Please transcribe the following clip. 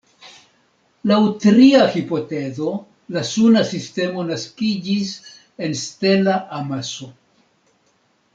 Laŭ tria hipotezo la Suna sistemo naskiĝis en stela amaso.